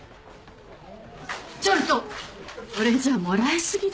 ちょいとこれじゃもらいすぎだ